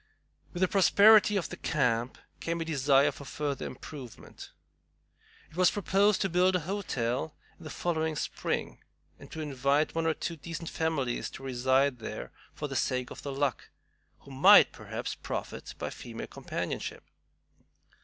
With the prosperity of the camp came a desire for further improvement. It was proposed to build a hotel in the following spring, and to invite one or two decent families to reside there for the sake of The Luck, who might perhaps profit by female companionship.